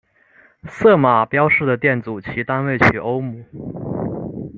色码标示的电阻其单位取欧姆。